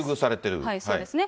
そうですね。